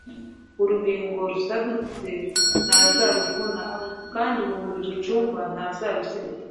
Urubingo rusadutse ntazaruvuna, kandi n’urumuri rucumba ntazaruzimya;